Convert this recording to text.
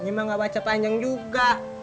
nih mak gak baca panjang juga